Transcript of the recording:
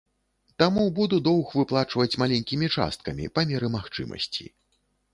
Таму буду доўг выплачваць маленькімі часткамі, па меры магчымасці.